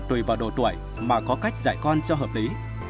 tùy vào độ tuổi mà có cách dạy con cho hợp lý